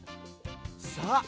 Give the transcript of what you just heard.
さあ